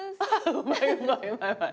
うまいうまいうまいうまい。